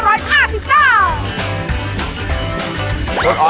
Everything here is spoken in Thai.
ร่วมร่วมสุดยอดเหตุการณ์โรงการกีฬา๒๕๕๙